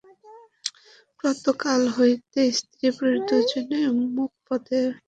প্রাতঃকাল হইতে স্ত্রীপুরুষ দুইজনে উন্মুখভাবে পথ চাহিয়া বসিয়া আছেন।